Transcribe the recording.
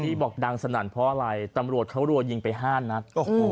ที่บอกดังสนั่นเพราะอะไรตำรวจเขารัวยิงไปห้านัดโอ้โห